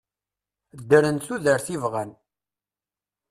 Ddren tudert i bɣan.